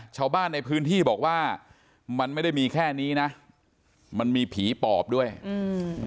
ชาวบ้านในพื้นที่บอกว่ามันไม่ได้มีแค่นี้นะมันมีผีปอบด้วยอืม